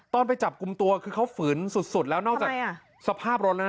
ไปจับกลุ่มตัวคือเขาฝืนสุดแล้วนอกจากสภาพรถแล้วนะ